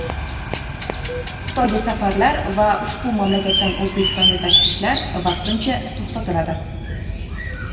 Xitoyga safarlar va ushbu mamlakatdan O‘zbekistonga tashriflar vaqtincha to‘xtatiladi